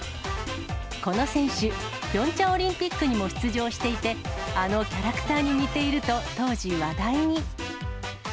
この選手、ピョンチャンオリンピックにも出場していて、あのキャラクターに似ていると、当時話題に。